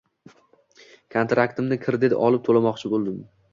Kontraktimni kredit olib to‘lamoqchi bo‘ldim